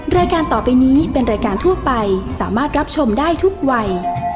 รายการต่อไปนี้เป็นรายการทั่วไปสามารถรับชมได้ทุกวัย